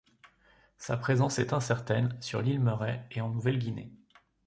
Sa présence est incertaine sur l'île Murray et en Nouvelle-Guinée.